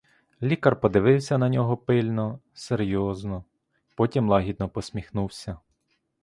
Лікар подивився на нього пильно, серйозно, потім лагідно посміхнувся.